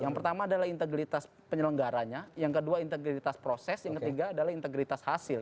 yang pertama adalah integritas penyelenggaranya yang kedua integritas proses yang ketiga adalah integritas hasil